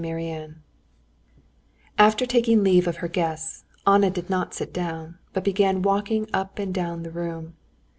Chapter 12 After taking leave of her guests, Anna did not sit down, but began walking up and down the room.